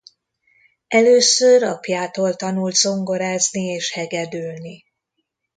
Először apjától tanult zongorázni és hegedülni.